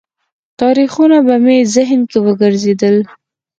تاریخونه به مې ذهن کې وګرځېدل.